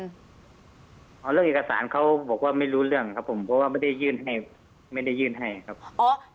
อ๋อเรื่องเอกสารเขาบอกว่าไม่รู้เรื่องครับผมเพราะว่าไม่ได้ยื่นให้ครับ